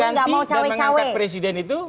karena mengganti dan mengangkat presiden itu